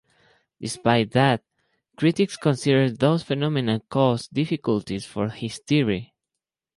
Despite that, critics consider those phenomena caused difficulties for his theory.